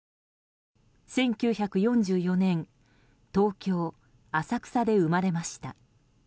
１９４４年東京・浅草で生まれました。